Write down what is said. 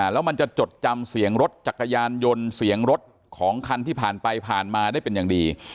แล้วมันจะจดจำเสียงรถจักรยานยนต์เสียงรถของคันที่ผ่านไปผ่านมาได้เป็นอย่างดี